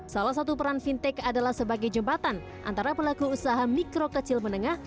salah satu peran fintech adalah sebagai jembatan antara pelaku usaha mikro kecil menengah